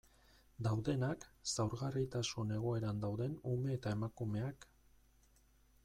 Daudenak, zaurgarritasun egoeran dauden ume eta emakumeak...